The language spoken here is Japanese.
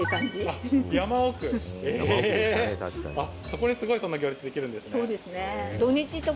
そこにすごいそんな行列できるんですね。